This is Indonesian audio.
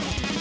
ya udah bang